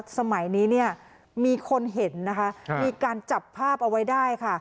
สมัยนี้เนี่ยมีคนเห็นนะคะมีการจับภาพเอาไว้ได้ค่ะ